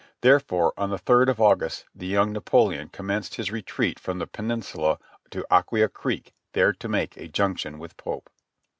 There fore, on the third of August the young Napoleon commenced his retreat from the Peninsula to Aquia Creek, there to make a junction with Pope.